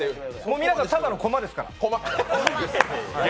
皆さん、ただの駒ですから。